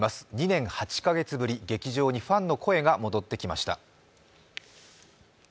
２年８か月ぶり、劇場にファンの声が戻ってきました。